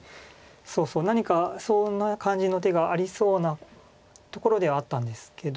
そうそう何かそんな感じの手がありそうなところではあったんですけど。